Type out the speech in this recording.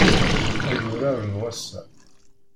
Ay urar n wass-a.